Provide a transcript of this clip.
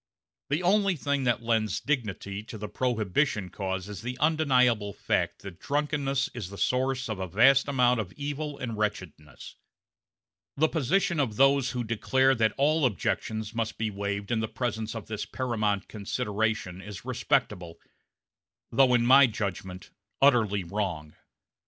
The only thing that lends dignity to the Prohibition cause is the undeniable fact that drunkenness is the source of a vast amount of evil and wretchedness; the position of those who declare that all objections must be waived in the presence of this paramount consideration is respectable, though in my judgment utterly wrong.